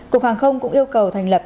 cục hàng không cũng yêu cầu thành lập